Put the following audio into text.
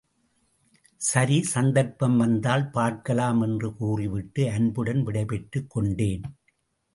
சரி, சந்தர்ப்பம் வந்தால் பார்க்கலாம், என்று கூறிவிட்டு அன்புடன் விடைபெற்றுக் கொண்டேன்.